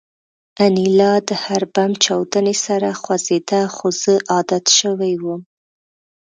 انیلا د هر بم چاودنې سره خوځېده خو زه عادت شوی وم